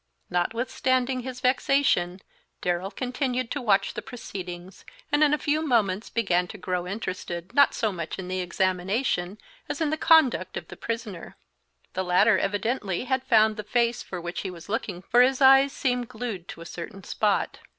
Notwithstanding his vexation, Darrell continued to watch the proceedings, and in a few moments began to grow interested, not so much in the examination as in the conduct of the prisoner. The latter evidently had found the face for which he was looking, for his eyes seemed glued to a certain spot.